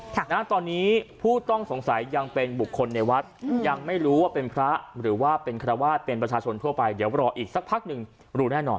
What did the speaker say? ค่ะนะตอนนี้ผู้ต้องสงสัยยังเป็นบุคคลในวัดอืมยังไม่รู้ว่าเป็นพระหรือว่าเป็นคารวาสเป็นประชาชนทั่วไปเดี๋ยวรออีกสักพักหนึ่งรู้แน่นอน